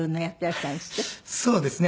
そうですね。